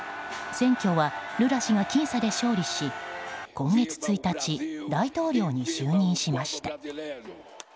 選挙はルラ氏が僅差で勝利し今月１日、大統領に就任しました。